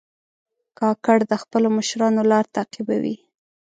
کاکړ د خپلو مشرانو لار تعقیبوي.